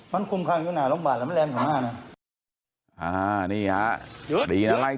มันคุมความอยู่หน้าโรงบาลแล้วมันเรียนของม่าเนี่ย